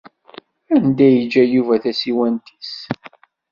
Anda ay yeǧǧa Yuba tasiwant-nnes?